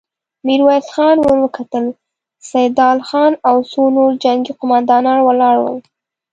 ميرويس خان ور وکتل، سيدال خان او څو نور جنګي قوماندان ولاړ ول.